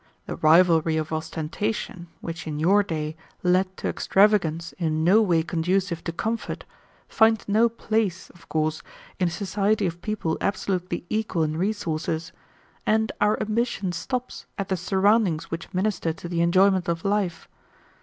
The rivalry of ostentation, which in your day led to extravagance in no way conducive to comfort, finds no place, of course, in a society of people absolutely equal in resources, and our ambition stops at the surroundings which minister to the enjoyment of life.